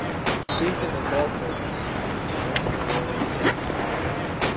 Susan is also an Ambassador for Relate Cambridge.